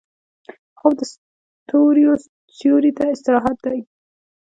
خوب د ستوريو سیوري ته استراحت دی